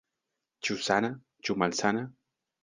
Ĉu sana, ĉu malsana?